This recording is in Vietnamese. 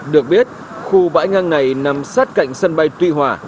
được biết khu bãi ngang này nằm sát cạnh sân bay tuy hòa